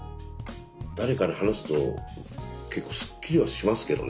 誰かに話すと結構すっきりはしますけどね。